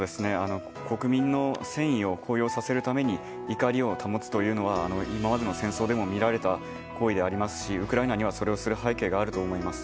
国民の戦意を高揚させるために怒りを保つというのは今までの戦争でも見られた行為でありますしウクライナにはそれをする背景があると思います。